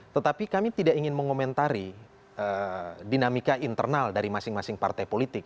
tetapi kami tidak ingin mengomentari dinamika internal dari masing masing partai politik